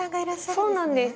そうなんです。